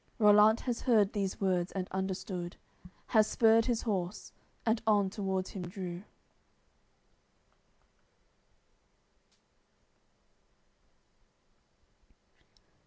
Rollant has heard these words and understood, Has spurred his horse, and on towards him drew.